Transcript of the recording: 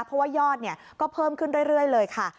เพราะว่ายอดก็เพิ่มขึ้นเรื่อยเลยค่ะ